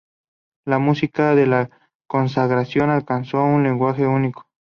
La música de La consagración... alcanzó un lenguaje único.